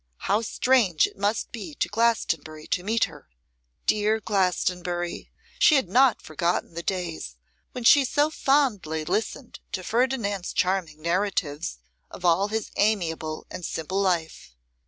How strange it must be to Glastonbury to meet her! Dear Glastonbury! She had not forgotten the days when she so fondly listened to Ferdinand's charming narratives of all his amiable and simple life!